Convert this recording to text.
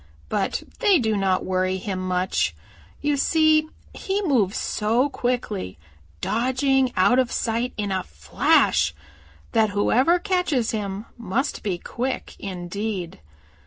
But they do not worry him much. You see he moves so quickly, dodging out of sight in a flash, that whoever catches him must be quick indeed.